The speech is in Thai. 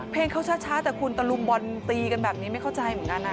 เพลงเขาช้าแต่คุณตะลุมบอลตีกันแบบนี้ไม่เข้าใจเหมือนกันนะ